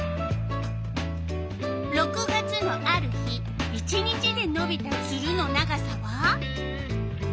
６月のある日１日でのびたツルの長さは？